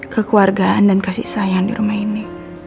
kekeluargaan dan kasih sayang di rumah ini